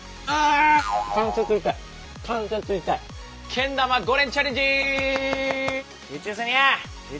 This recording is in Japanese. けん玉５連チャレンジ！